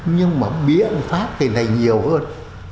nhưng mà biện pháp thì này nhiều hơn